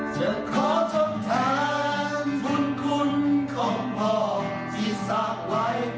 จะขอทบทางธุรกุลของพ่อที่สร้างไว้